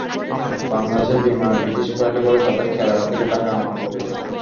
বাংলাদেশ বিমানের বিশেষ ফ্লাইটে করে তাদের কেরালা থেকে ঢাকা আনা হবে।